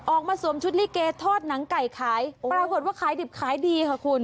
ออกมาสวมชุดลิเกโทษหนังไก่ไข้ปรากฏว่าขายดิบขายดีค่ะคุณ